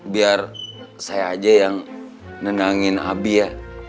biar saya aja yang nenangin abi ya